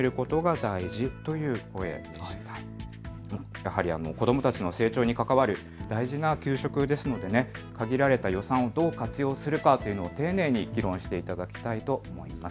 やはり子どもたちの成長に関わる大事な給食ですので限られた予算をどう活用するかというのを丁寧に議論していただきたいと思います。